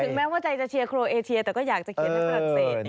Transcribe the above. แม้ว่าใจจะเชียร์โครเอเชียแต่ก็อยากจะเขียนให้ฝรั่งเศส